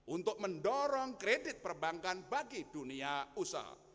untuk mendorong kredit perbankan bagi dunia usaha